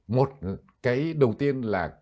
một cái đầu tiên là